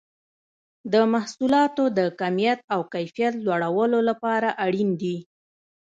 د محصولاتو د کمیت او کیفیت لوړولو لپاره اړین دي.